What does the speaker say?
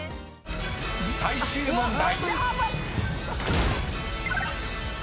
［最終問題］